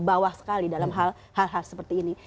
bawah sekali dalam hal hal seperti ini